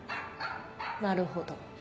なるほど。